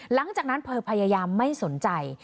หลังจากนั้นเธอพยายามไม่สนใจ